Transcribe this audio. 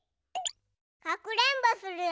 かくれんぼするよ。